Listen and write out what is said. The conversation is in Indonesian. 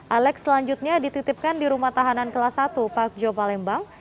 alex selanjutnya dititipkan di rumah tahanan kelas satu pakjo palembang